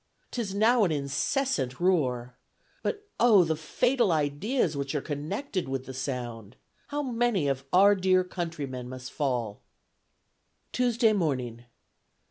'Tis now an incessant roar; but oh! the fatal ideas which are connected with the sound! How many of our dear countrymen must fall! "Tuesday morning.